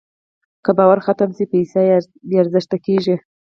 که باور ختم شي، پیسه بېارزښته کېږي.